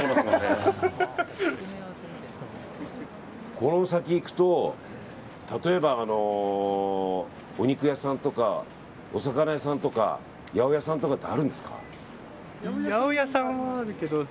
この先行くと例えば、お肉屋さんとかお魚屋さんとか八百屋さんとかあるんですか。